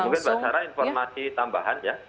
mungkin mbak sarah informasi tambahan ya